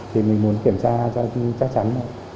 thì mình muốn kiểm tra cho chắc chắn